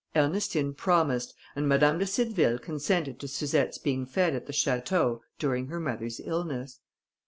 Ernestine promised, and Madame de Cideville consented to Suzette's being fed at the château, during her mother's illness.